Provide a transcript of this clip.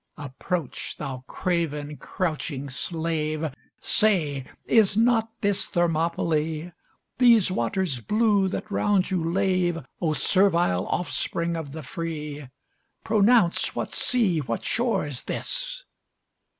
Approach, thou craven crouching slave: Say, is not this Thermopylæ? These waters blue that round you lave, O servile offspring of the free Pronounce what sea, what shore is this?